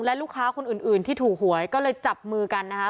และลูกค้าคนอื่นอื่นที่ถูกหวยก็เลยจับมือกันนะคะ